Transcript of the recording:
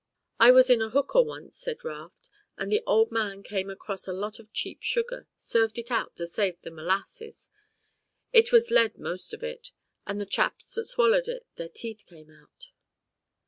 "I was in a hooker once," said Raft, "and the Old Man came across a lot of cheap sugar, served it out to save the m'lasses. It was lead, most of it, and the chaps that swallowed it their teeth came out."